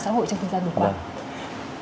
xã hội trong thời gian vừa qua